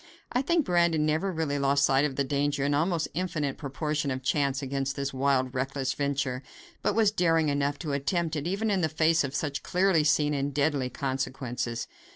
I think Brandon never really lost sight of the danger, and almost infinite proportion of chance against this wild, reckless venture, but was daring enough to attempt it even in the face of such clearly seen and deadly consequences.